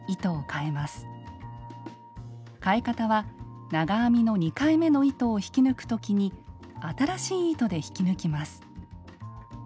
かえ方は長編みの２回目の糸を引き抜く時に新しい糸で引き抜きます。